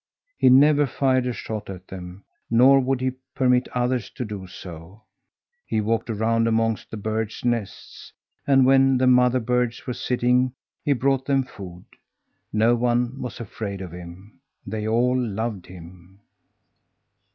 He never fired a shot at them, nor would he permit others to do so. He walked around amongst the birds' nests, and when the mother birds were sitting he brought them food. Not one was afraid of him. They all loved him.